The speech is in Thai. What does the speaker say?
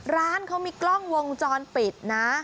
ร้านเขามีกล้องวงจรปิดนะ